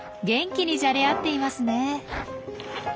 元気にじゃれ合っていますね。